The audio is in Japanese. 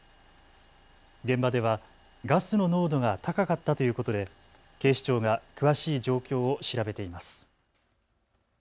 現場ではガスの濃度が高かったということで警視庁が詳しい状況を調べています。